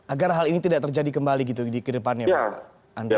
agar hal ini tidak terjadi kembali gitu di kedepannya pak andre